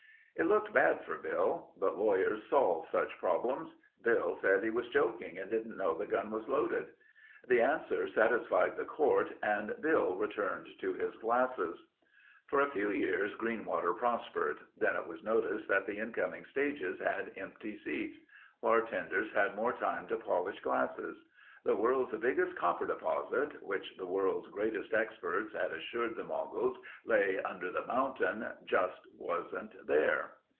It looked bad for Bill. But lawyers solve such problems. Bill said he was joking and didn't know the gun was loaded. The answer satisfied the court and Bill returned to his glasses. For a few years Greenwater prospered. Then it was noticed that the incoming stages had empty seats. Bartenders had more time to polish glasses. "The World's Biggest Copper Deposit" which the world's greatest experts had assured the moguls lay under the mountain just wasn't there.